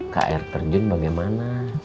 kak air terjun bagaimana